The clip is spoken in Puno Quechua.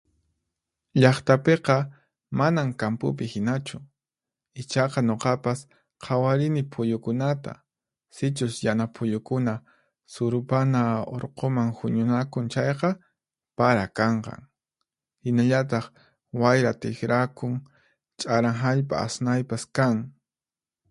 Llaqtapiqa manan kampupi hinachu. Ichaqa nuqapas qhawarini phuyukunata, sichus yana phuyukuna Surupana urquman huñunakun chayqa, para kanqan. Hinallataq, wayra tiqrakun, ch'aran hallp'a asnaypas kan.